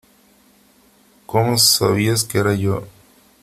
¿ Cómo sabías que era yo ?